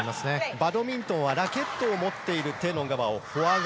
バドミントンはラケットを持っている手の側をフォア側。